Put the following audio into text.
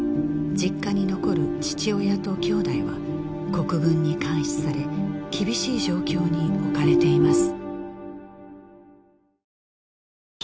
実家に残る父親と兄弟は国軍に監視され厳しい状況に置かれています